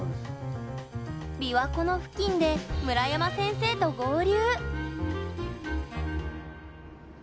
琵琶湖の付近で村山先生と合流。